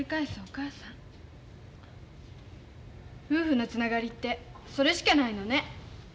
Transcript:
夫婦のつながりってそれしかないのね。